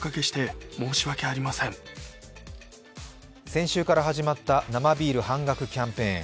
先週から始まった生ビール半額キャンペーン。